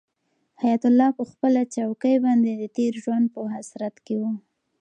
حیات الله په خپله چوکۍ باندې د تېر ژوند په حسرت کې و.